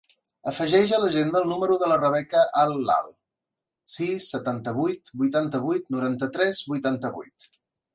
Afegeix a l'agenda el número de la Rebeca Al Lal: sis, setanta-vuit, vuitanta-vuit, noranta-tres, vuitanta-vuit.